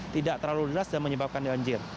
tidak terlalu deras dan menyebabkan banjir